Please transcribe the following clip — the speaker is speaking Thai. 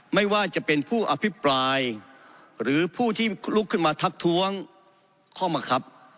ไม่ว่าจะเป็นผู้อภิปรายหรือผู้ที่ลุกขึ้นมาทักท้วงข้อมะครับ